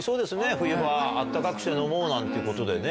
冬場、あったかくして飲もうなんてことでね。